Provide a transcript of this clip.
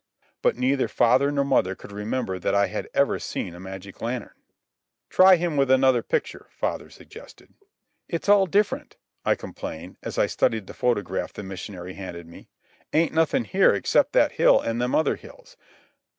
But neither father nor mother could remember that I had ever seen a magic lantern. "Try him with another picture," father suggested. "It's all different," I complained as I studied the photograph the missionary handed me. "Ain't nothin' here except that hill and them other hills.